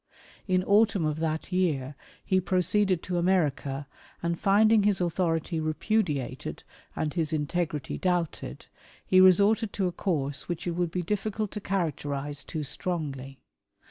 In autumn of that year he proceeded to America, and finding his authority repudiated and his integrity doubted, he resorted to a course which it Avould be difficult to characterize too strongly.